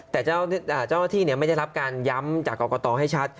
แต่เจ้าหน้าที่ไม่ได้รับการย้ำจากกรกตให้ชัด